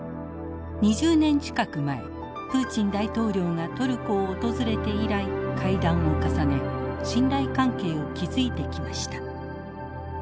２０年近く前プーチン大統領がトルコを訪れて以来会談を重ね信頼関係を築いてきました。